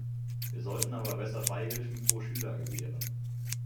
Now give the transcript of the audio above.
Wir sollten aber besser Beihilfen pro Schüler gewähren.